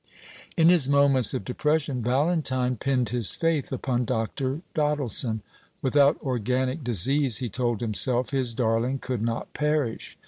In his moments of depression Valentine pinned his faith upon Dr. Doddleson. Without organic disease, he told himself, his darling could not perish.